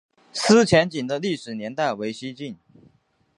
思前井的历史年代为西晋。